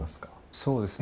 そうですね